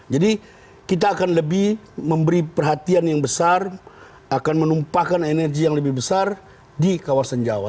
jadi kita akan lebih memberi perhatian yang besar akan menumpahkan energi yang lebih besar di kawasan jawa